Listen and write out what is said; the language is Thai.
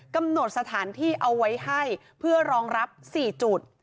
กำหนดสถานที่เอาไว้ให้เพื่อรองรับ๔จุด